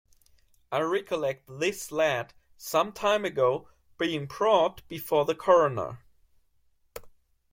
I recollect this lad some time ago being brought before the coroner.